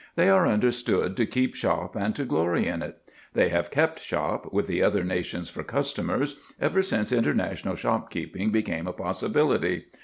They are understood to keep shop and to glory in it. They have kept shop, with the other nations for customers, ever since international shopkeeping became a possibility.